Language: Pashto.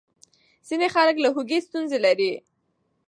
ځینې خلک له هوږې ستونزه لري.